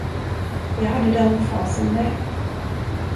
Jag hade den fasen med.